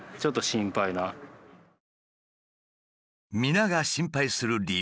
皆が心配する理由。